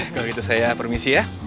eh kalau gitu saya permisi ya